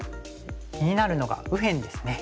気になるのが右辺ですね。